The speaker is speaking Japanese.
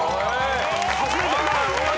初めて。